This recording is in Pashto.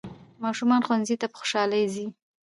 ماشومان ښوونځي ته په خوشحالۍ ځي